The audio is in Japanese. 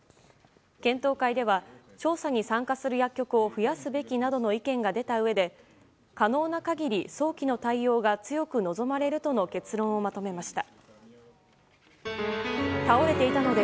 検討会では調査に参加する薬局を増やすべきなどの意見が出たうえで可能な限り早期の対応が強く望まれるとの結論をまとめました。